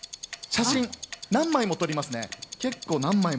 何枚も撮りますね。